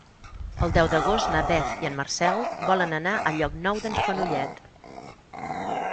El deu d'agost na Beth i en Marcel volen anar a Llocnou d'en Fenollet.